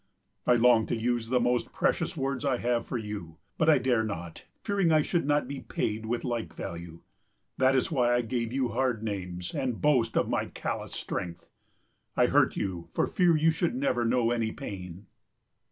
I long to use the most precious words I have for you; but I dare not, fearing I should not be paid with like value. That is why I gave you hard names and boast of my callous strength. I hurt you, for fear you should never know any pain.